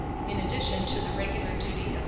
in addition to the original duty of 2d.